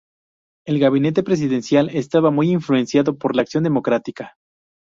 El gabinete presidencial estaba muy influenciado por Acción Democrática.